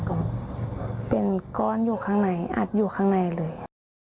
ก็เป็นก้อนอยู่ข้างในอัดอยู่ข้างในเลย